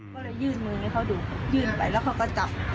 ก็เลยยื่นมือให้เขาดูยื่นไปแล้วเขาก็จับ